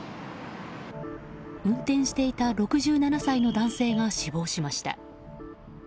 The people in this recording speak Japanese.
運転していた６７歳の男性が死亡しました。